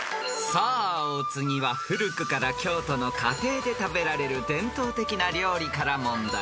［さあお次は古くから京都の家庭で食べられる伝統的な料理から問題］